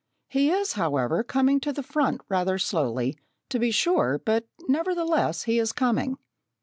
He is, however, coming to the front rather slowly, to be sure, but nevertheless he is coming.